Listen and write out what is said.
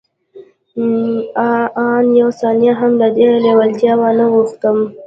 آن يوه ثانيه هم له دې لېوالتیا وانه وښتم.